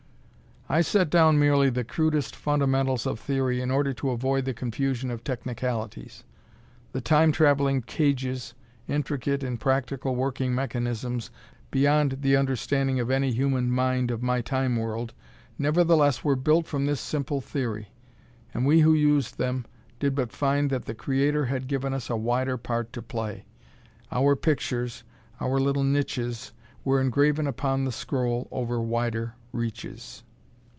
I set down merely the crudest fundamentals of theory in order to avoid the confusion of technicalities. The Time traveling cages, intricate in practical working mechanisms beyond the understanding of any human mind of my Time world, nevertheless were built from this simple theory. And we who used them did but find that the Creator had given us a wider part to play; our pictures, our little niches were engraven upon the scroll over wider reaches.